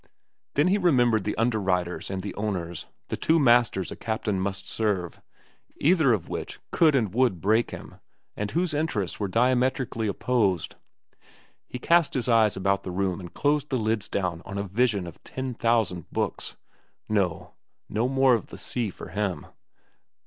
Then he remembered the underwriters and the owners, the two masters a captain must serve, either of which could and would break him and whose interests were diametrically opposed. He cast his eyes about the room and closed the lids down on a vision of ten thousand books. No; no more of the sea for him.